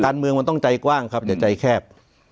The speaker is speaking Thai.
การเมืองมันต้องใจกว้างครับอย่าใจแคบ